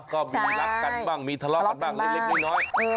ก็มีรักกันบ้างมีทะเลาะกันบ้างเล็กน้อย